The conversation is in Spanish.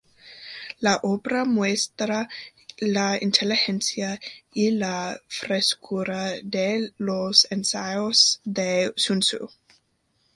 La obra muestra la inteligencia y la frescura de los ensayos de Sun Tzu.